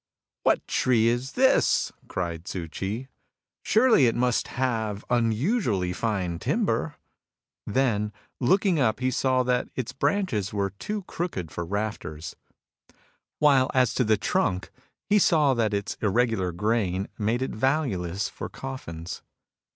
" What tree is this ?" cried Tzu Ch'i. " Surely it must have unusually fine timber." Then, looking up, he saw that its branches were too crooked for rafters ; while, as to the trunk, he saw 94 MUSINGS OP A CHINESE MYSTIC that its irregular grain made it valueless for coffins.